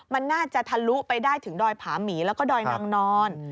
มันน่าจะทะลุไปได้ถึงดอยผาหมีแล้วก็ดอยนางนอน